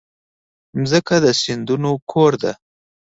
مځکه د سیندونو کور ده.